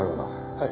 はい。